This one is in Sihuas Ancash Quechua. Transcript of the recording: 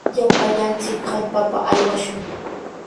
Llapallanchik hallpapa aywashun.